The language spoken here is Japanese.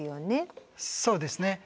そうですね。